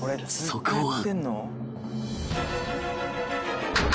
そこは］